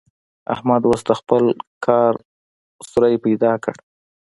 احمد اوس د خپل کار سوری پيدا کړ.